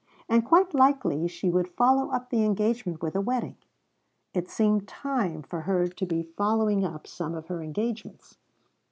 And quite likely she would follow up the engagement with a wedding. It seemed time for her to be following up some of her engagements.